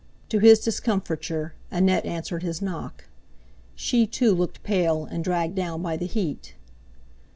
To his discomfiture Annette answered his knock. She, too, looked pale and dragged down by the heat.